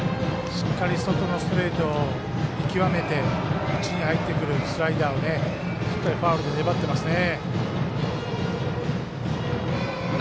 しっかり外のストレート見極めて内に入ってくるスライダーをしっかりファウルで粘ってますね。